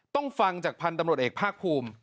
ฟังจากพันธุ์ตำรวจเอกภาคภูมิ